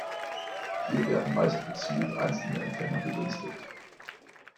Hier werden meist gezielt einzelne Empfänger begünstigt.